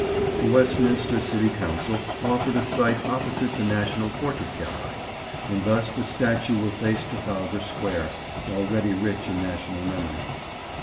The Westminster City Council offered a site opposite the National Portrait Gallery; and thus the statue will face Trafalgar Square, already rich in national memories.